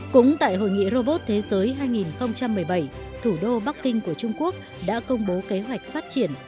cũng tại hội nghị robot thế giới hai nghìn một mươi bảy thủ đô bắc kinh của trung quốc đã công bố kế hoạch phát triển